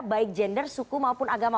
baik gender suku maupun agama